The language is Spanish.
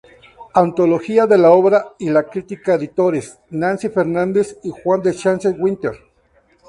Antología de la obra y la crítica", Editores, Nancy Fernández y Juan Duchesne Winter.